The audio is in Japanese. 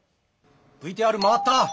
ＶＴＲ回った！